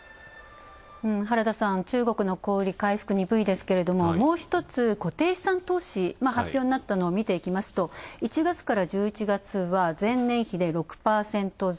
原田さん、中国の小売回復、鈍いですけれどももうひとつ、固定資産投資発表になったのを見ると１月から１１月は前年比で６％増。